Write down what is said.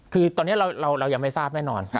คือตอนนี้เรายังไม่ทราบแน่นอน